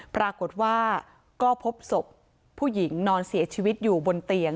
ปรากฏว่าก็พบศพผู้หญิงนอนเสียชีวิตอยู่บนเตียง